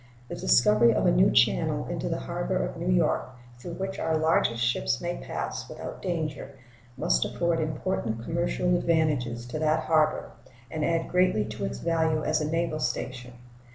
The discovery of a new channel into the harbor of New York, through which our largest ships may pass without danger, must afford important commercial advantages to that harbor and add greatly to its value as a naval station.